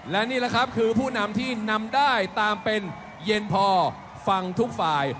และนี่แหละครับคือผู้นำที่นำได้ตามเป็นเย็นพอฟังทุกฝ่าย